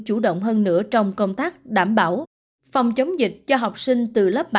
chủ động hơn nữa trong công tác đảm bảo phòng chống dịch cho học sinh từ lớp bảy